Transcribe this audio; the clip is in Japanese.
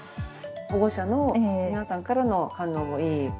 保護者の皆さんからの反応もいい？